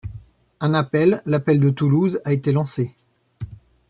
Un appel, l'appel de Toulouse, a été lancé.